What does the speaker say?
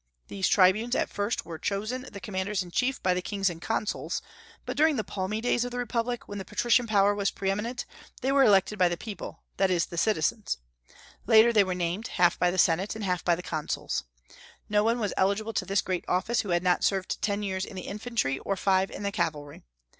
These tribunes at first were chosen the commanders in chief, by the kings and consuls; but during the palmy days of the republic, when the patrician power was pre eminent, they were elected by the people, that is, the citizens. Later they were named, half by the Senate and half by the consuls. No one was eligible to this great office who had not served ten years in the infantry or five in the cavalry.